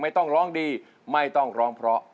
ไม่ต้องร้องดีไม่ต้องร้องเพราะ